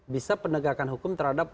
bisa penegakan hukum terhadap